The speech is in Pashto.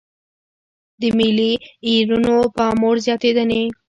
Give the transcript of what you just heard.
د ملي ايرونو پاموړ زياتېدنې.